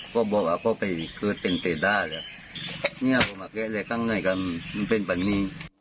ก็บอกก็ไปเต็มเตรียร่ายหวังว่าก็เป็นปากมิ